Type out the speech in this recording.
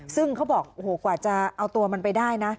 ซึ่งเขาบอกโอ้โหกว่าจะเอาตัวมันไปได้นะ